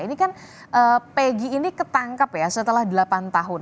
ini kan peggy ini ketangkap ya setelah delapan tahun